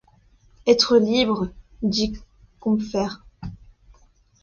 Être libre, dit Combeferre.